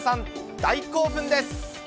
大興奮です。